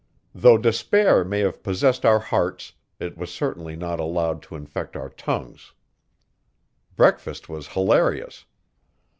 Though despair may have possessed our hearts, it was certainly not allowed to infect our tongues. Breakfast was hilarious.